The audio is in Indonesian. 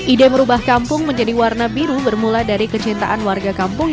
ide merubah kampung menjadi warna biru bermula dari kecintaan warga kampung